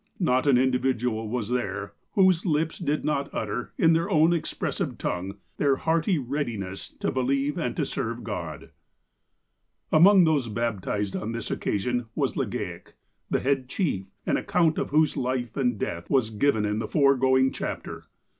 Not an individual was there whose lips did not utter, in their own expressive tongue, their hearty readiness to believe and to serve God." Among those baptized on this occasion was Legaic, the head chief, an account of whose life and death was given in the foregoing chapter.